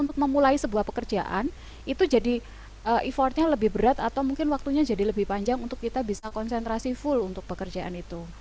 untuk memulai sebuah pekerjaan itu jadi effortnya lebih berat atau mungkin waktunya jadi lebih panjang untuk kita bisa konsentrasi full untuk pekerjaan itu